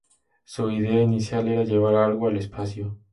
Su idea inicial era llevar algo al espacio.